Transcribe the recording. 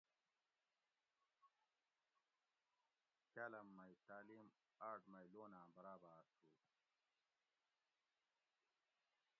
کاۤلاۤم مئی تعلیم آۤٹ مئی لوناۤں براباۤر تُھو